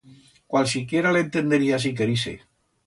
Cualsiquiera l'entendería si querise.